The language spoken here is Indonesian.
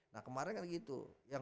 nah kemarin kan gitu